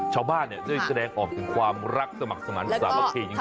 ชาวบ้านจะแสดงออกถึงความรักสมัครสมัครสาวบังเทศจริง